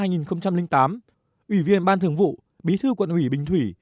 đến tháng ba năm hai nghìn tám ủy viên ban thường vụ bí thư quận ủy bình thủy